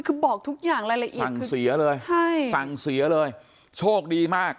คือบอกทุกอย่างรายละเอียดสั่งเสียเลยใช่สั่งเสียเลยโชคดีมาก